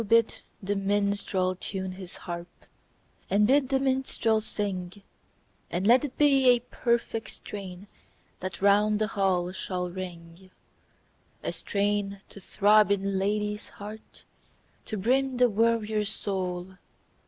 BID the minstrel tune his haxp, And bid the minstrel sing; And let it be a perfect strain That round the hall shall ring : A strain to throb in lad/s heart, To brim the warrior's soul.